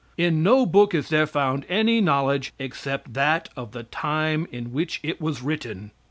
In no book is there found any knowledge, except that of the time in which it was written.